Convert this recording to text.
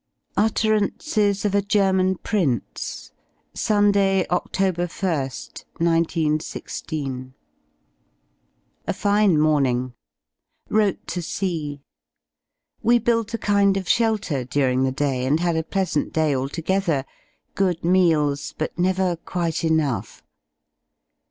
71 iKf? UTTERANCES OF A GERMAN PRINCE Sunday, Oct. ist, 191 6. A fine morning; wrote to C We built a kind of shelter during the day, and had a pleasant day altogether; good meals, but never quite enough.